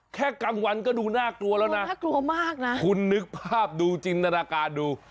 กลางวันก็ดูน่ากลัวแล้วนะน่ากลัวมากนะคุณนึกภาพดูจินตนาการดู